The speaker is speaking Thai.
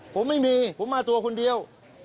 ผมไม่มีผมมาตัวคนเดียว